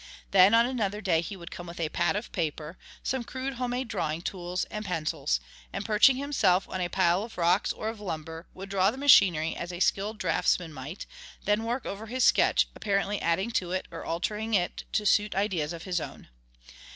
Then on another day he would come with a pad of paper, some crude home made drawing tools, and pencils, and perching himself on a pile of rocks or of lumber would draw the machinery as a skilled draughtsman might, and then work over his sketch, apparently adding to it or altering it to suit ideas of his own.